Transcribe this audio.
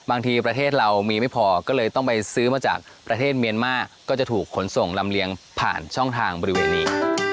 ประเทศเรามีไม่พอก็เลยต้องไปซื้อมาจากประเทศเมียนมาร์ก็จะถูกขนส่งลำเลียงผ่านช่องทางบริเวณนี้